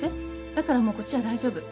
だからもうこっちは大丈夫。